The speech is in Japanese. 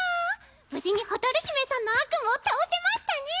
無事に蛍姫さんの悪夢を倒せましたね。